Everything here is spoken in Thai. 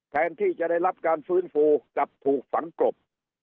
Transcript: แทนที่จะได้รับการฟื้นฟูกลับถูกฝังกลบ